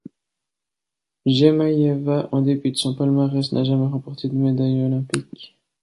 Jemayeva, en dépit de son palmarès, n'a jamais remporté de médaille olympique.